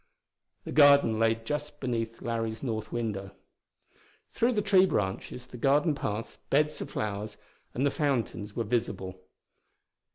The garden lay just beneath Larry's north window. Through the tree branches the garden paths, beds of flowers and the fountains were visible.